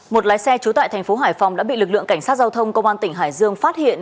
một lái xe trú tại thành phố hải phòng đã bị lực lượng cảnh sát giao thông công an tỉnh hải dương phát hiện